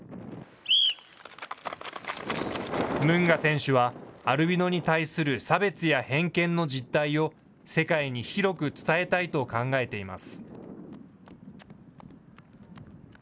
ムンガ選手は、アルビノに対する差別や偏見の実態を、世界に広く伝えたいと考えています。